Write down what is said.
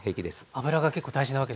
油が結構大事なわけですね。